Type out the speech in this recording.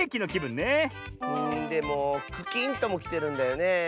んでもクキンともきてるんだよねえ。